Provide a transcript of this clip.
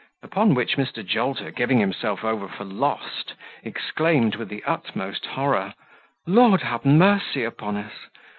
Upon which, Mr. Jolter, giving himself over for lost, exclaimed, with the utmost horror, "Lord have mercy upon us!